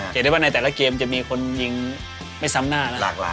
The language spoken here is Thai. อย่างใดในแต่ละเกมก็จะมีคนยิงไม่ซ้ำหน้า